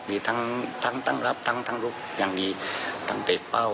มีทั้งรับทั้งลุกอย่างนี้ทั้งเตะเป้า